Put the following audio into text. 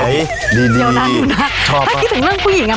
ถ้าคิดถึงเรื่องผู้หญิงอะ